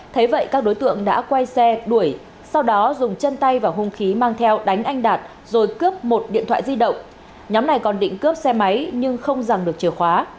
thế vậy các đối tượng đã quay xe đuổi sau đó dùng chân tay và hung khí mang theo đánh anh đạt rồi cướp một điện thoại di động nhóm này còn định cướp xe máy nhưng không rằng được chìa khóa